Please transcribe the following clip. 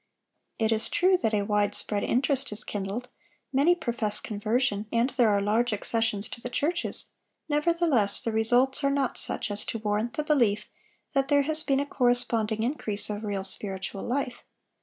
It is true that a wide spread interest is kindled, many profess conversion, and there are large accessions to the churches; nevertheless the results are not such as to warrant the belief that there has been a corresponding increase of real spiritual life.